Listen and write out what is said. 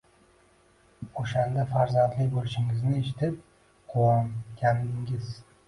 O`shanda farzandli bo`lishingizni eshitib, quvongandingiz